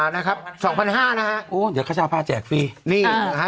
นะครับสองพันห้านะฮะโอ้เดี๋ยวขชาพาแจกฟรีนี่นะฮะ